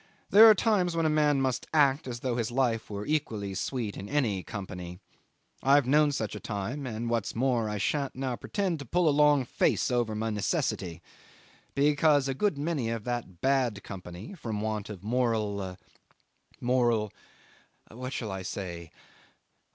There are times when a man must act as though life were equally sweet in any company. I've known such a time, and, what's more, I shan't now pretend to pull a long face over my necessity, because a good many of that bad company from want of moral moral what shall I say?